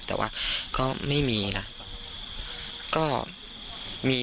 ฐานพระพุทธรูปทองคำ